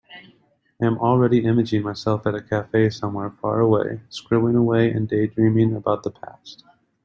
I am already imagining myself at a cafe somewhere far away, scribbling away and daydreaming about the past.